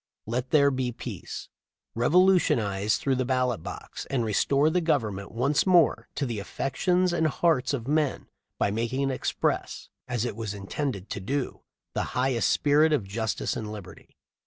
.... Let there be peace. Revolutionize through the ballot box, and restore the Government once more to the affections and hearts of men by making it express, as it was intended to do, the highest spirit of justice and liberty.